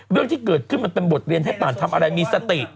เรื่องที่เกิดขึ้นมันเป็นบทเรียนให้ป่านทำอะไรมีสติ